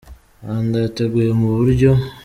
Rwanda yateguye mu buryo.